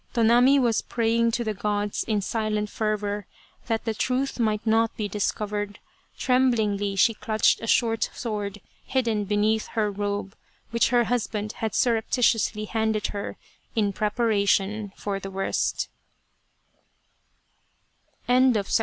Tonami was praying to the Gods in silent fervour that the truth might not be discovered, tremblingly she clutched a short sword hidden beneath her robe, which her husband had surreptitiously handed her, in preparation for the worst.